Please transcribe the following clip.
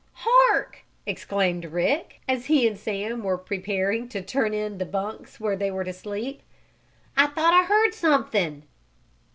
"Hark!" exclaimed Rick, as he and Sam were preparing to turn in to the bunks where they were to sleep. "I thought I heard something!"